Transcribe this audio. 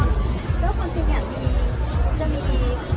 แล้วก็ก็ความจริงอยากจะมี